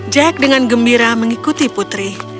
jack dengan gembira mengikuti putri